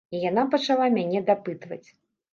І яна пачала мяне дапытваць.